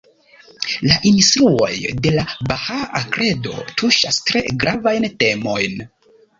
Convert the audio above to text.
La instruoj de la Bahaa Kredo tuŝas tre gravajn temojn.